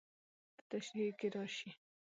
په تشريحي کې راشي.